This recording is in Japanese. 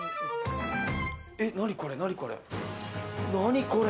え、何これ、何これ。